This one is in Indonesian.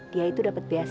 dia itu dapat beasiswa